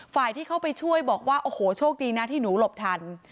ที่เข้าไปช่วยบอกว่าโอ้โหโชคดีนะที่หนูหลบทัน